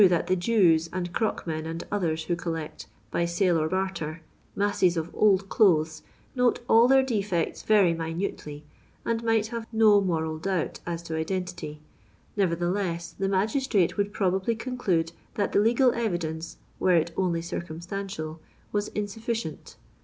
B9 u true the Jews, and crock men, and others, who collect, by sale or barter, masaes of old clothes, note all their defects rerj minutely, and might hare no moral doubt ae to identity, nevertheleu the magistrate would probably conclude that the legal cTidence — were it only circumstantial — was insuf cient.